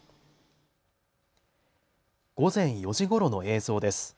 午前４時ごろの映像です。